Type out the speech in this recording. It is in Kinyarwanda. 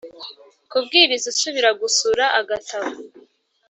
Kubwiriza usubira gusura agatabo